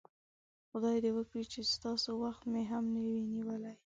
خدای دې وکړي چې ستاسو وخت مې هم نه وي نیولی.